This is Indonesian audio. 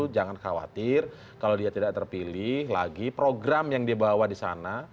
jangan khawatir kalau dia tidak terpilih lagi program yang dia bawa di sana